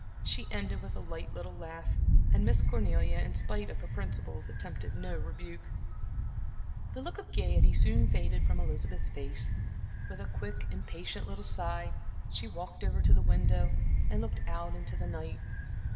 She ended with a light little laugh, and Miss Cornelia, in spite of her principles, attempted no rebuke. The look of gaiety soon faded from Elizabeth's face. With a quick, impatient little sigh, she walked over to the window, and looked out into the night.